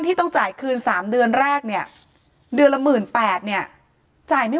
ที่ต้องจ่ายคืน๓เดือนแรกเนี่ยเดือนละ๑๘๐๐เนี่ยจ่ายไม่